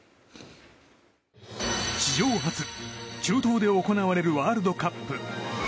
史上初、中東で行われるワールドカップ。